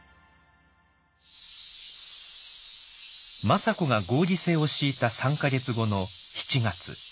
政子が合議制を敷いた３か月後の７月。